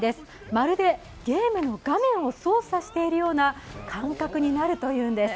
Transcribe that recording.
まるで、ゲームの画面を操作しているような感覚になるというんです。